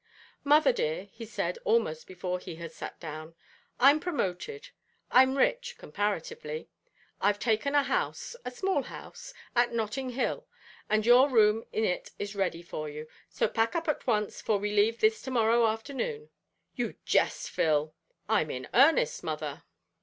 "Mother dear," he said, almost before he had sat down, "I'm promoted. I'm rich comparatively. I've taken a house a small house at Nottinghill, and your room in it is ready for you; so pack up at once, for we leave this to morrow afternoon." "You jest, Phil." "I'm in earnest, mother."